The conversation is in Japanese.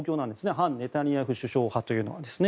反ネタニヤフ首相派というのは。